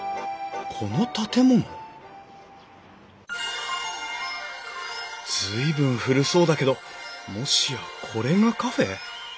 この建物随分古そうだけどもしやこれがカフェ？